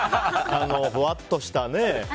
ふわっとしたね。